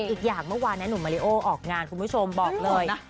อีกอย่างเมื่อวานนะหนุ่มมาริโอออกงานคุณผู้ชมบอกเลยนะ